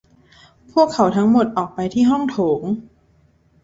พวกเขาทั้งหมดออกไปที่ห้องโถง